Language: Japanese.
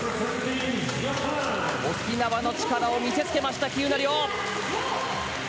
沖縄の力を見せつけました喜友名諒！